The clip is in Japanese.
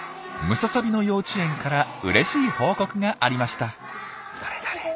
ムササビの幼稚園からうれしい報告がありました。